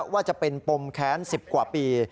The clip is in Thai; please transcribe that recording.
ว่าจะเป็นปมแค้น๑๐กว่าปี